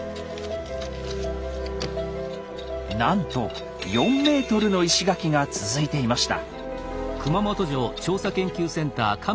なんと４メートルの石垣が続いていました。